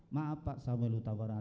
maaf pak samuel utabarat